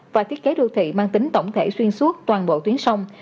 và thiết kế đường thủy mang tính tổng thể xuyên suốt toàn bộ tuyến sông